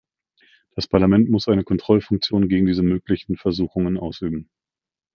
Das Parlament muss eine Kontrollfunktion gegen diese möglichen Versuchungen ausüben.